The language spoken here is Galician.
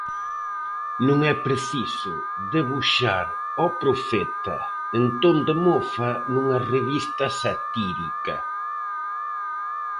Non é preciso debuxar ao profeta en ton de mofa nunha revista satírica.